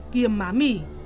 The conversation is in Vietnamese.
kiềm má mỉ